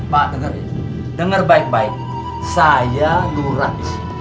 pak denger baik baik saya lurah